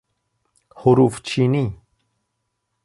حروفچینی